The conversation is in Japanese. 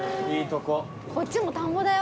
こっちも田んぼだよ。